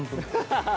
ハハハハ。